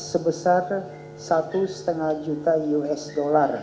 sebesar satu lima juta usd